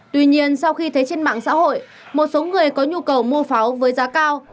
tuy nhiên sau khi thấy trên mạng xã hội một số người có nhu cầu mua pháo với giá cao